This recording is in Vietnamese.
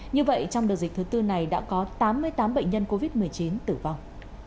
như vậy trong đợt dịch thứ tư này đã có tám mươi tám bệnh nhân covid một mươi chín tử vong